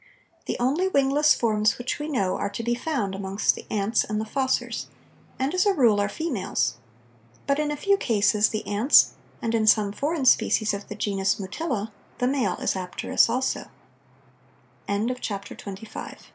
The only wingless forms which we know are to be found amongst the ants and the fossors, and as a rule are females, but in a few cases in the ants, and in some foreign species of the genus Mutilla, the male is apterous a